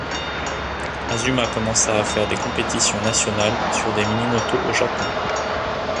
Azuma commença à faire des compétitions nationales sur des mini-motos au Japon.